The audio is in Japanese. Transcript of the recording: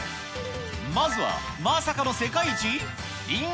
まずはまさかの世界一？